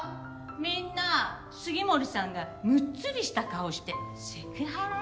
みんな杉森さんがむっつりした顔してセクハラよ。